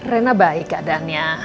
rena baik keadaannya